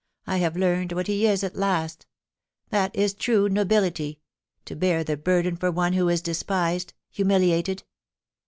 I have learned what he is at last That is tme nobility — to bear the burden for one who is despised humiliated.